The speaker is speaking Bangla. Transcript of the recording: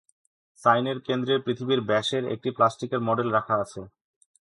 সাইনের কেন্দ্রে পৃথিবীর ব্যাসের একটা প্লাস্টিকের মডেল রাখা আছে।